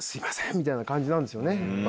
みたいな感じなんですよね。